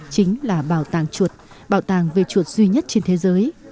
chính là bảo tàng chuột bảo tàng về chuột duy nhất trên thế giới